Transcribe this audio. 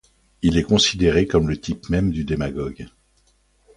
Il est considéré comme le type même du démagogue.